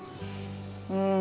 うん。